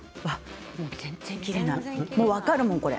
全然切れない、分かるもん、これ。